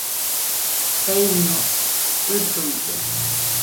Eiño ɨduide